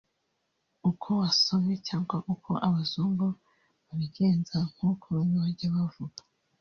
uko wasomye cyangwa uko abazungu babigenza (nk’uko bamwe bajya bavuga)